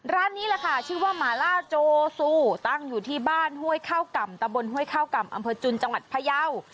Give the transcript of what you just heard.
ร้านนี้แหละค่ะชื่อว่าหมาล่าโจซูตั้งอยู่ที่บ้านห้วยข้าวก่ำตะบนห้วยข้าวก่ำอำเภอจุนจังหวัดพยาว